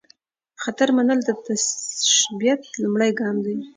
خطر منل، د تشبث لومړۍ ګام دی.